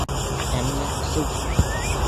Әммә... сеү!..